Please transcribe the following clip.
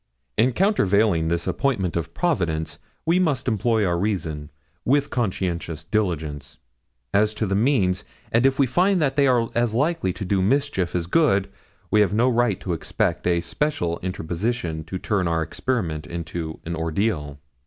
In countervailing the appointment of Providence, we must employ our reason, with conscientious diligence, as to the means, and if we find that they are as likely to do mischief as good, we have no right to expect a special interposition to turn our experiment into an ordeal.